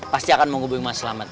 pasti akan mau hubungi mas selamat